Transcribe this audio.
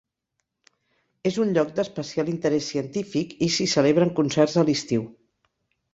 És un lloc d'especial interès científic i s'hi celebren concerts a l'estiu.